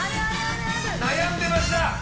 悩んでました。